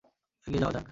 এগিয়ে যাওয়া যাক।